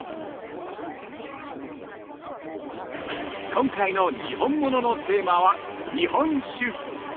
◆今回のにほんもののテーマは日本酒。